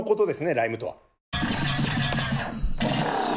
「ライム」とは。